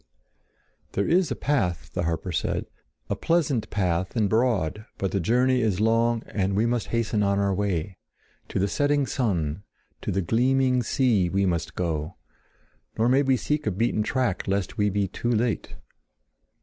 "There is a path," the harper said, "a pleasant path and broad, but the journey is long and we must hasten on our way. To the setting sun, to the gleaming sea, we must go; nor may we seek a beaten track lest we be too late."